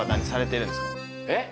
えっ？